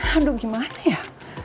aduh gimana ya